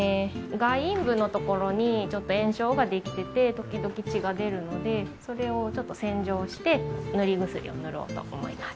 外陰部のところにちょっと炎症ができてて時々血が出るのでそれをちょっと洗浄して塗り薬を塗ろうと思います